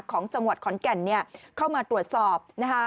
ของจังหวัดขอนแก่นเข้ามาตรวจสอบนะคะ